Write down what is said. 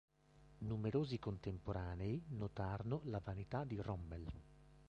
Numerosi contemporanei notarono la vanità di Rommel.